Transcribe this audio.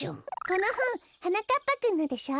このほんはなかっぱくんのでしょ？